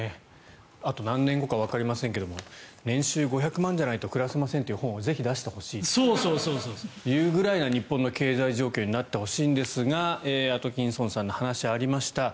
あと何年後かわかりませんけど年収５００万じゃないと暮らせませんという本をぜひ出してほしいそういうぐらいの日本の経済状況になってほしいんですがアトキンソンさんの話ありました。